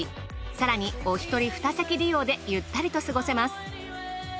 更におひとり２席利用でゆったりと過ごせます。